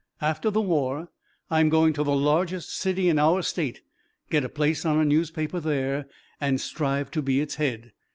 After the war I'm going to the largest city in our state, get a place on a newspaper there and strive to be its head.